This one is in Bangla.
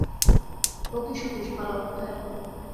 ও কী সতীশ, পালাও কোথায়।